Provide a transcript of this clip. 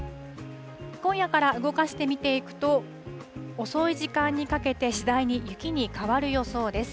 今夜から動かして見ていくと、遅い時間にかけて次第に雪に変わる予想です。